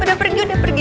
udah pergi udah pergi